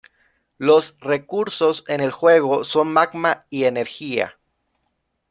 Los recursos en el juego son magma y energía.